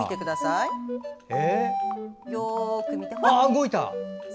動いた！